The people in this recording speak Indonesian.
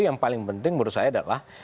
yang paling penting menurut saya adalah